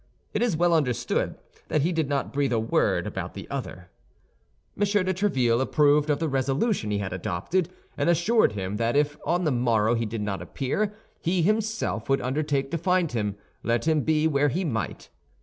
It is well understood that he did not breathe a word about the other. M. de Tréville approved of the resolution he had adopted, and assured him that if on the morrow he did not appear, he himself would undertake to find him, let him be where he might.